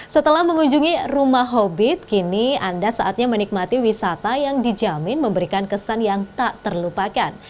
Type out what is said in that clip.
setelah mengunjungi rumah hobbit kini anda saatnya menikmati wisata yang dijamin memberikan kesan yang tak terlupakan